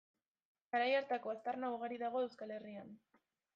Garai hartako aztarna ugari dago Euskal Herrian.